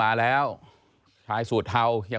ไม่รู้ว่าใครชกต่อยกันอยู่แล้วอะนะคะ